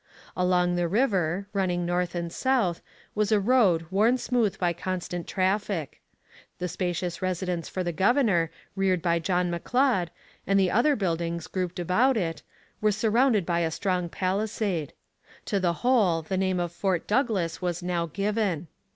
Along the river, running north and south, was a road worn smooth by constant traffic. The spacious residence for the governor reared by John M'Leod, and the other buildings grouped about it, were surrounded by a strong palisade. To the whole the name of Fort Douglas was now given.